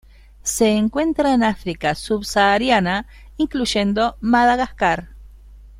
Se encuentra en África subsahariana incluyendo Madagascar.